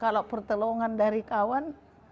kalau pertolongan dari kawan